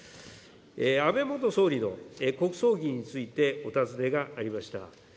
安倍元総理の国葬儀についてお尋ねがありました。